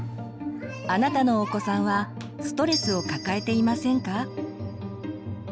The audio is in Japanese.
あなたのお子さんはストレスを抱えていませんか？